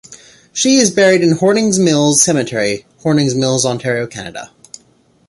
She is buried in Hornings Mills Cemetery, Horning's Mills, Ontario, Canada.